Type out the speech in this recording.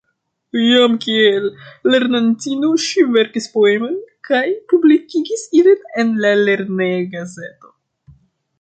Jam kiel lernantino ŝi verkis poemojn kaj publikigis ilin en la lerneja gazeto.